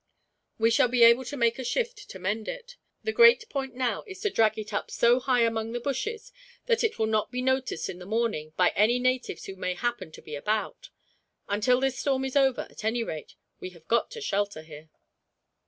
"We shall be able to make a shift to mend it. The great point, now, is to drag it up so high among the bushes, that it will not be noticed in the morning by any natives who may happen to be about. Until this storm is over, at any rate, we have got to shelter here."